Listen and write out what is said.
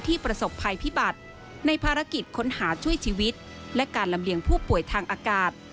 ติดตามจากรายงานครับ